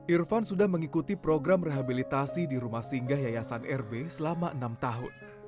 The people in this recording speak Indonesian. irfan sudah mengikuti program rehabilitasi di rumah singgah yayasan rb selama enam tahun